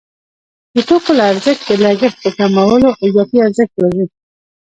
د توکو له ارزښت د لګښت په کمولو اضافي ارزښت راځي